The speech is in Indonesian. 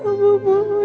abah takut ya allah